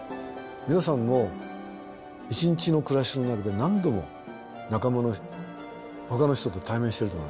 皆さんも一日の暮らしの中で何度も仲間のほかの人と対面してると思いますよ。